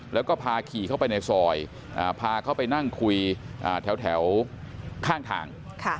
แล้วก็พาขี่เข้าไปในซอยพาเขาไปนั่งคุยแถวข้างทาง